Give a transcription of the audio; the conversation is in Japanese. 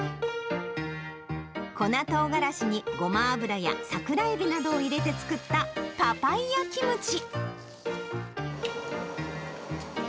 粉トウガラシにごま油や桜エビなどを入れて作ったパパイヤキムチ。